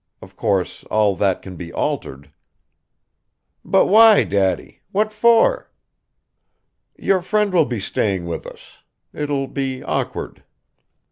Of course, all that can be altered." "But why, Daddy; what for?' "Your friend will be staying with us ... it will be awkward."